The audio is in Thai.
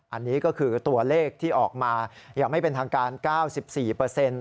อันนี้ก็คือตัวเลขที่ออกมาอย่างไม่เป็นทางการ๙๔เปอร์เซ็นต์